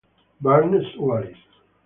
Barnes Wallis.